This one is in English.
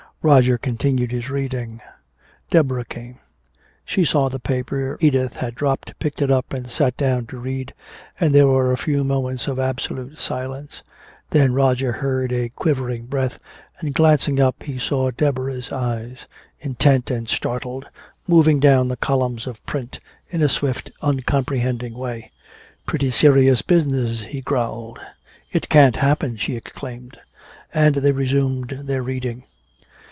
Roger continued his reading. Deborah came. She saw the paper Edith had dropped, picked it up and sat down to read, and there were a few moments of absolute silence. Then Roger heard a quivering breath, and glancing up he saw Deborah's eyes, intent and startled, moving down the columns of print in a swift, uncomprehending way. "Pretty serious business," he growled. "It can't happen!" she exclaimed. And they resumed their reading.